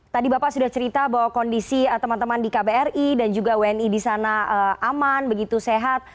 tadi bapak sudah cerita bahwa kondisi teman teman di kbri dan juga wni di sana aman begitu sehat